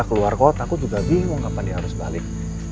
keluar kota aku juga bingung kapan dia harus balik